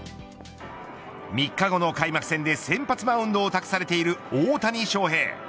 ３日後の開幕戦で先発マウンドを託されている大谷翔平。